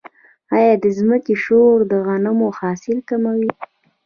آیا د ځمکې شور د غنمو حاصل کموي؟